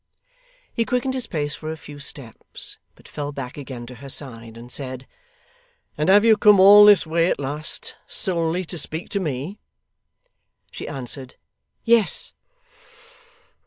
He quickened his pace for a few steps, but fell back again to her side, and said: 'And have you come all this way at last, solely to speak to me?' She answered, 'Yes.